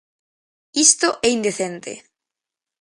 Isto é indecente.